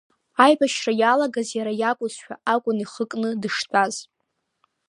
Аибашьра иалагаз иара иакәызшәа акәын ихы кны дыштәаз.